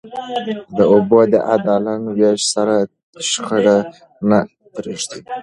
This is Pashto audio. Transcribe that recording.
د اوبو عادلانه وېش سره، شخړې نه پارېږي.